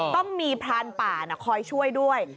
ต้องมีพรานป่าคอยช่วยด้วย